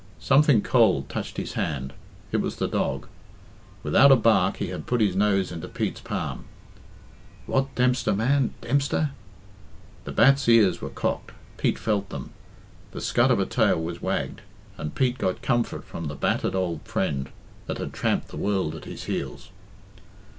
Something cold touched his hand. It was the dog. Without a bark he had put his nose into Pete's palm. "What, Dempster, man, Dempster!" The bat's ears were cocked Pete felt them the scut of a tail was wagged, and Pete got comfort from the battered old friend that had tramped the world at his heels.